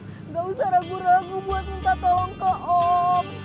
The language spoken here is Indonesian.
tidak usah ragu ragu buat minta tolong ke om